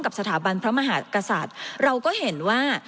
สถาบันพระมหากษัตริย์เราก็เห็นว่า